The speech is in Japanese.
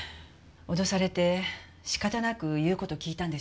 脅されて仕方なく言う事を聞いたんでしょうね。